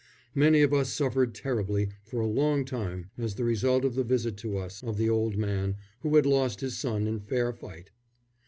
Many of us suffered terribly for a long time as the result of the visit to us of the old man who had lost his son in fair fight.